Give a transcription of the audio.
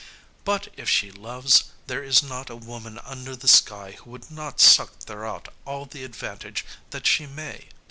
But if she loves, there is not a woman under the sky who would not suck thereout all the advantage that she may.